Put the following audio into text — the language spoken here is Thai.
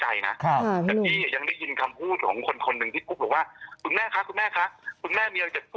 ให้ลงมาแล้วให้สัมภาษณ์ค่ะบางทีเนี่ยเขาเอาผู้ต้องหาขึ้นรถไปแล้ว